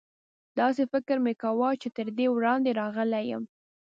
داسې فکر مې کاوه چې تر دې وړاندې راغلی یم.